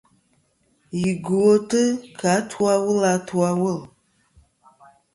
Yi gwotɨ kɨ atu a wul a atu a wul.